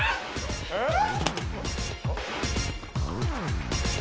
えっ？